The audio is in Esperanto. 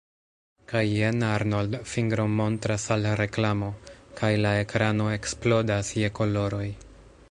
Kaj jen Arnold fingromontras al reklamo, kaj la ekrano eksplodas je koloroj.